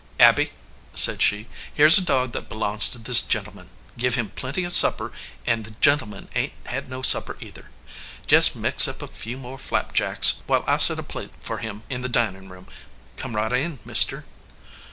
"Abby," said she, "here s a dog that belongs to this gentleman. Give him plenty of supper, and the gentleman ain t had no supper, either. Jest mix up a few more flap jacks, while I set a plate for him in the dinin room. Come right in, mister."